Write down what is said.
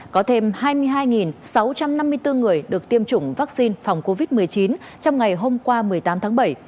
có thêm hai mươi hai sáu trăm năm mươi bốn người được tiêm chủng vaccine phòng covid một mươi chín trong ngày hôm qua một mươi tám tháng bảy